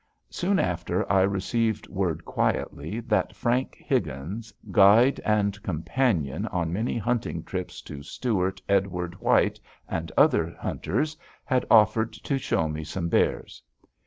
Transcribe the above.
Soon after I received word quietly that Frank Higgins, guide and companion on many hunting trips to Stewart Edward White and other hunters, had offered to show me some bears.